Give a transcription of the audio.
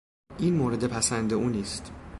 این مورد پسند او نیست.